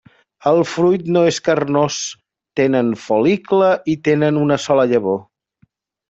El fruit no és carnós, tenen fol·licle i tenen una sola llavor.